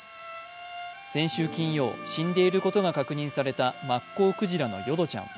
先週金曜、死んでいることが確認されたマッコウクジラのヨドちゃん。